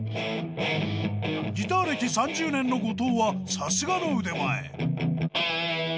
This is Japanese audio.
ギター歴３０年の後藤は、さすがの腕前。